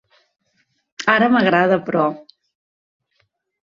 Ara m'agrada, però.